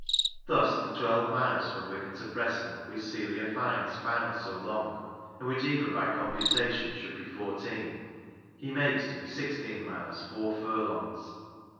Thus the twelve miles from Wigan to Preston wKich Celia Fiennes found so long, and which even by computation should be fourteen, he makes to be sixteen miles four furlongs.